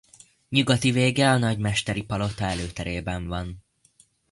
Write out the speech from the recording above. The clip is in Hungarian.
Nyugati vége a Nagymesteri palota előterében van.